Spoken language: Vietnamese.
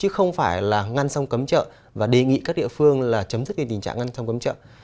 chứ không phải là ngăn sông cấm chợ và đề nghị các địa phương là chấm dứt cái tình trạng ngăn sông cấm chợ